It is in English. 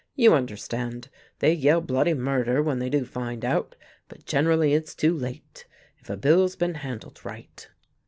You understand. They yell bloody murder when they do find out, but generally it's too late, if a bill's been handled right."